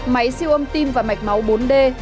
máy siêu âm tim và mạch máu bốn d